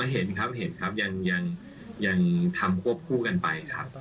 เห็นครับยังทำควบคู่กันไปครับ